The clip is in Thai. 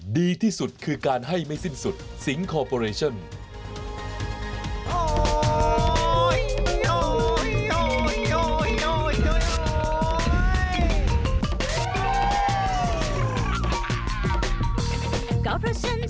ดีที่สุดคือการให้ไม่สิ้นสุดสิงคอร์ปอเรชั่น